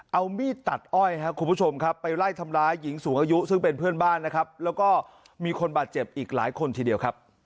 เอามีดตัดอ้อยไปไล่ทำร้ายหญิงสูงอายุซึ่งเป็นเพื่อนบ้านและมีคนบาดเจ็บอีกหลายคนทีเดียว